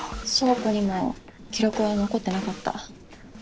倉庫にも記録は残ってなかった。